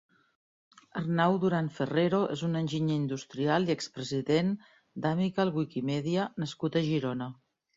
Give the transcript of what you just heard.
Arnau Duran Ferrero és un enginyer industrial i expresident d'Amical Wikimedia nascut a Girona.